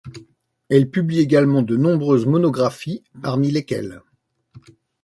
Elle publie également de nombreuses monographies, parmi lesquelles.